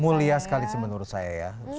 mulia sekali sih menurut saya ya